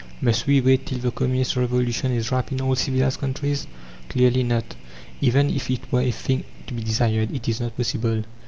Must we wait till the Communist Revolution is ripe in all civilized countries? Clearly not! Even if it were a thing to be desired, it is not possible.